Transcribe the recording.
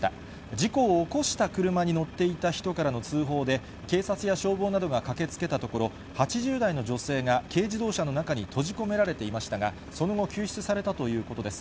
事故を起こした車に乗っていた人からの通報で、警察や消防などが駆けつけたところ、８０代の女性が軽自動車の中に閉じ込められていましたが、その後、救出されたということです。